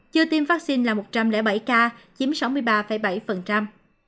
chưa tiêm vaccine là một trăm linh bảy ca chiếm sáu mươi ba bảy